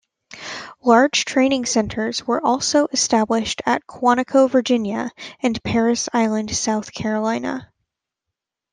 Large training centers were also established at Quantico, Virginia, and Parris Island, South Carolina.